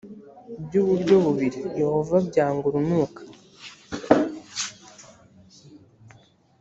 by uburyo bubiri yehova abyanga urunuka